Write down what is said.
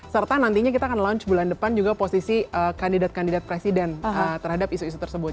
serta nantinya kita akan launch bulan depan juga posisi kandidat kandidat presiden terhadap isu isu tersebut